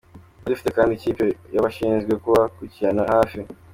Twari dufite kandi ikipe yabashinzwe kubakurikiranira hafi.